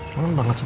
kangen banget sih